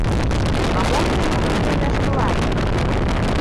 — А мом тый нунын дене ыштылат?